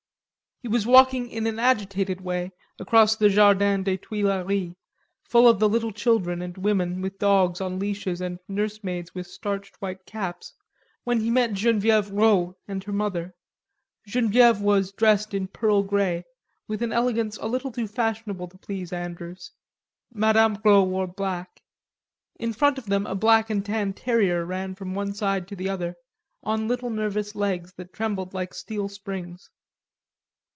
He was walking in an agitated way across the Jardin des Tuileries, full of little children and women with dogs on leashes and nursemaids with starched white caps, when he met Genevieve Rod and her mother. Genevieve was dressed in pearl grey, with an elegance a little too fashionable to please Andrews. Mme. Rod wore black. In front of them a black and tan terrier ran from one side to the other, on nervous little legs that trembled like steel springs.